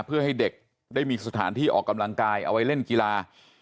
เพื่อให้เด็กได้มีสถานที่ออกกำลังกายเอาไว้เล่นกีฬา